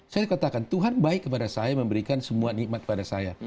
saya katakan tuhan baik kepada saya memberikan semua nikmat kepada saya